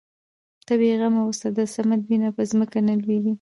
ته بې غمه اوسه د صمد وينه په ځمکه نه لوېږي.